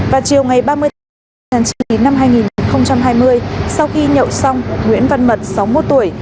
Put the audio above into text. vào chiều ngày ba mươi tháng chín năm hai nghìn hai mươi sau khi nhậu xong nguyễn văn mật sáu mươi một tuổi